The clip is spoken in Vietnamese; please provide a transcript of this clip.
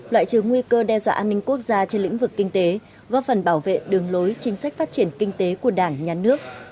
loại trừ nguy cơ đe dọa an ninh quốc gia trên lĩnh vực kinh tế góp phần bảo vệ đường lối chính sách phát triển kinh tế của đảng nhà nước